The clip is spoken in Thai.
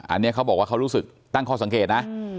อันนี้เขาบอกว่าเขารู้สึกตั้งข้อสังเกตนะ